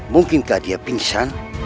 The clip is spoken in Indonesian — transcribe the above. mungkinkah dia pingsan